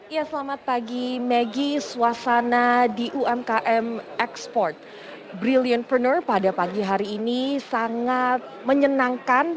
ya selamat pagi maggie suasana di umkm export brilliantpreneur pada pagi hari ini sangat menyenangkan